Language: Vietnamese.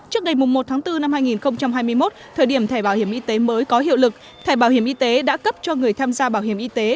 trước ngày một tháng bốn năm hai nghìn hai mươi một thời điểm thẻ bảo hiểm y tế mới có hiệu lực thẻ bảo hiểm y tế đã cấp cho người tham gia bảo hiểm y tế